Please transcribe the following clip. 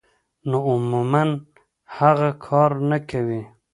نو عموماً هغه کار نۀ کوي -